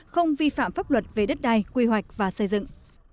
không vi phạm pháp luật về đất đai quy hoạch và xây dựng